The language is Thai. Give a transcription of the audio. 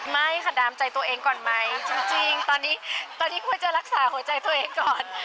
ไม่ค่ะดามใจตัวเองก่อนไหมจริงตอนนี้ตอนนี้ควรจะรักษาหัวใจตัวเองก่อน